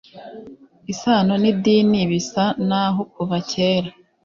isano n idini Bisa n aho kuva kera